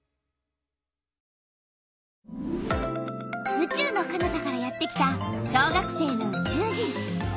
うちゅうのかなたからやってきた小学生のうちゅう人！